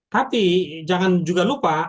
tapi jangan juga lupa